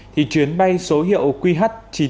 thì chuyến bay số hiệu qh chín nghìn một trăm bốn mươi chín